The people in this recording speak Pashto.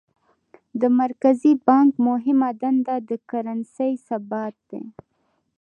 د مرکزي بانک مهمه دنده د کرنسۍ ثبات دی.